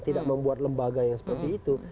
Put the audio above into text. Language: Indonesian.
tidak membuat lembaga yang seperti itu